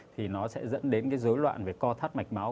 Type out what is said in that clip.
thì nó sẽ dẫn đến cái dối loạn về co thắt mạch máu